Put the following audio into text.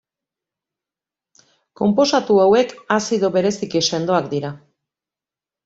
Konposatu hauek azido bereziki sendoak dira.